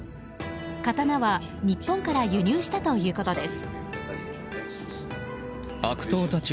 刀は日本から輸入したということです。